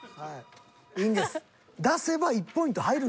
いいんです。